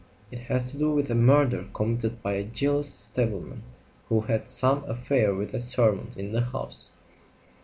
It has to do with a murder committed by a jealous stableman who had some affair with a servant in the house.